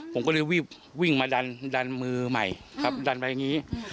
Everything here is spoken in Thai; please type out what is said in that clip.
ผมก็เลยรีบวิ่งมาดันดันมือใหม่ครับดันไปอย่างนี้